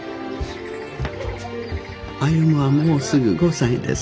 歩はもうすぐ５歳です。